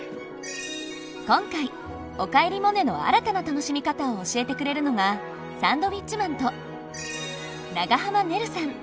今回「おかえりモネ」の新たな楽しみ方を教えてくれるのがサンドウィッチマンと長濱ねるさん。